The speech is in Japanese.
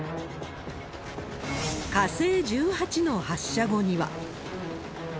火星１８の発射後には。